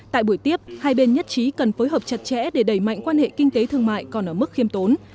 tại buổi tiếp hai bên nhất trí cần phối hợp chặt chẽ để đẩy mạnh quan hệ kinh tế thương mại còn ở mức khiêm tốn